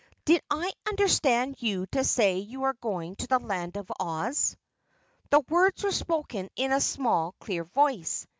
"Did I understand you to say you are going to the Land of Oz?" The words were spoken in a small, clear voice.